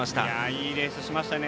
いいレースしましたね。